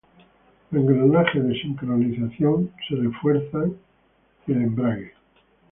Los engranajes de sincronización son reforzados y el embrague.